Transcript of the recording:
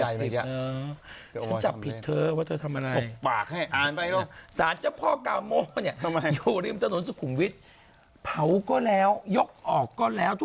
อยู่ริมถนนสุขุมวิทย์เผาก็แล้วยกออกก็แล้ว